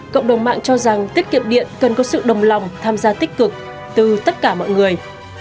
cộng đồng mạng cho rằng tiết kiệm điện cần có sự đồng lòng tham gia tích cực từ tất cả mọi người